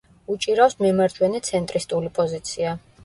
უჭირავს მემარჯვენე–ცენტრისტული პოზიცია.